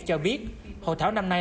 cho biết hội thảo năm nay